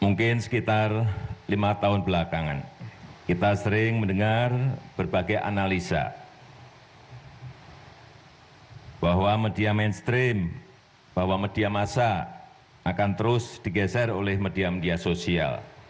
mungkin sekitar lima tahun belakangan kita sering mendengar berbagai analisa bahwa media mainstream bahwa media masa akan terus digeser oleh media media sosial